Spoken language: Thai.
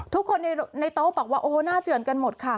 ทุกคนในโต๊ะบอกว่าโอ้โหหน้าเจือนกันหมดค่ะ